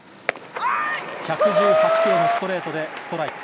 １１８キロのストレートでストライク。